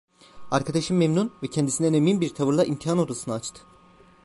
Arkadaşım memnun ve kendisinden emin bir tavırla imtihan odasını açtı.